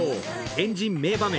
円陣、名場面。